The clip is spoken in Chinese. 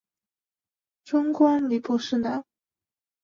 终官礼部侍郎。